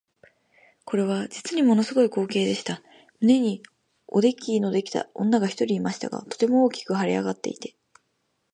これは実にもの凄い光景でした。胸におできのできた女が一人いましたが、とても大きく脹れ上っていて、